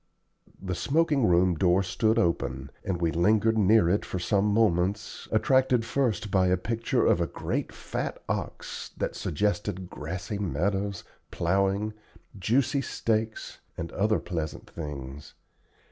The smoking room door stood open, and we lingered near it for some moments, attracted first by a picture of a great fat ox, that suggested grassy meadows, plowing, juicy steaks, and other pleasant things.